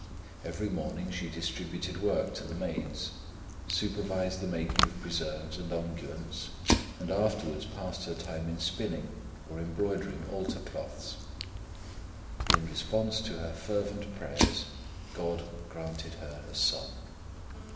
Every morning she distributed work to the maids, supervised the making of preserves and unguents, and afterwards passed her time in spinning, or in embroidering altar cloths. In response to her fervent prayers, God granted her a son!